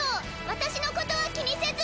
私のことは気にせず。